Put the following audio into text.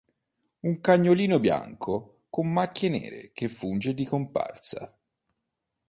Un cagnolino bianco con macchie nere che funge di comparsa.